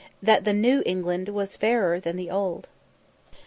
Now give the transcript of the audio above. that the New England was fairer than the Old.